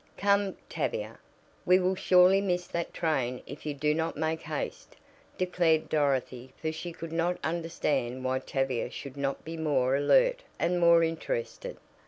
"Come, Tavia, we will surely miss that train if you do not make haste," declared Dorothy for she could not understand why Tavia should not be more alert and more interested.